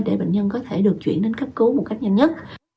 để bệnh nhân có thể được chuyển đến cấp cứu một cách nhanh nhất